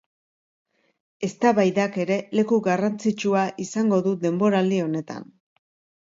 Eztabaidak ere leku garrantzitsua izango du denboraldi honetan.